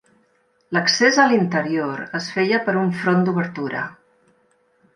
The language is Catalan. L'accés a l'interior es feia per un front d'obertura.